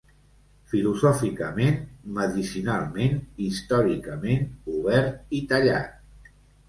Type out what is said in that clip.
Filosòficament, medicinalment, històricament, obert i tallat.